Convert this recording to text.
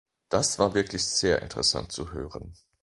Das war wirklich sehr interessant zu hören.